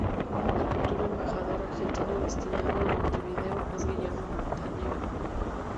El futuro embajador argentino destinado a Montevideo es Guillermo Montenegro.